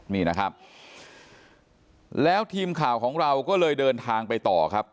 นี่นะครับแล้วทีมข่าวของเราก็เลยเดินทางไปต่อครับ